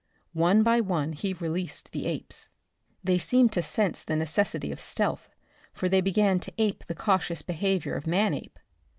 One by one he released the apes. They seemed to sense the necessity for stealth, for they began to ape the cautious behavior of Manape.